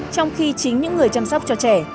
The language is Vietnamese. trong khi chính những người chăm sóc cho trẻ